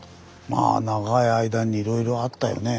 まあ長い間にいろいろあったよね。